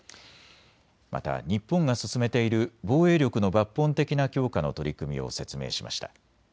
また日本が進めている防衛力の抜本的な強化の取り組みを説明しました。